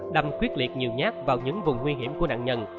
đâm quyết liệt nhiều nhát vào những vùng nguy hiểm của nạn nhân